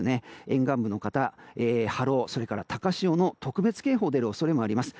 沿岸部の方は波浪と高潮の特別警報、出る恐れもあります。